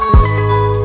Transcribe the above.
terima kasih ya allah